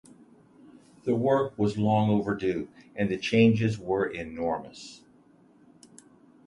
The work was long overdue, and the changes where enormous.